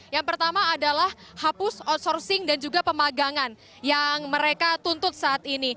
yang pertama adalah hapus outsourcing dan juga pemagangan yang mereka tuntut saat ini